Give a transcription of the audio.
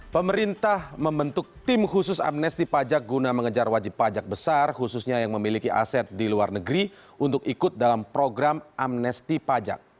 pemerintah membentuk tim khusus amnesti pajak guna mengejar wajib pajak besar khususnya yang memiliki aset di luar negeri untuk ikut dalam program amnesti pajak